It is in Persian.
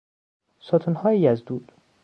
ستونهایی از دود